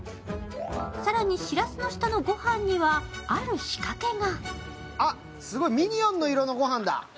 更にしらすの下のごはんにはある仕掛けが。